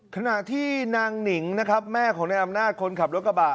ขณะที่นางนิงแม่ของแนวอำนาจคนขับรถกระบะ